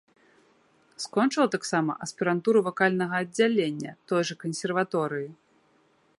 Скончыла таксама аспірантуру вакальнага аддзялення той жа кансерваторыі.